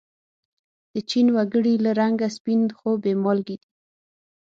د چین و گړي له رنگه سپین خو بې مالگې دي.